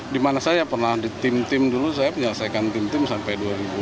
di mana saya pernah di tim tim dulu saya menyelesaikan tim tim sampai dua ribu dua puluh